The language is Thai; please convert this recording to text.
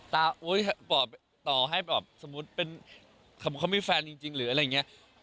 ตำนานพ่อสมมุติต่อแบบเป็นเขามีแฟนจริงหรืออะไรอย่างเงี้ย